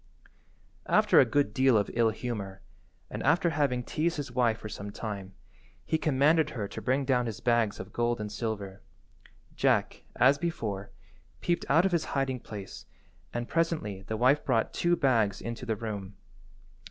After a good deal of ill–humour, and after having teased his wife for some time, he commanded her to bring down his bags of gold and silver. Jack, as before, peeped out of his hiding place, and presently the wife brought two bags into the room.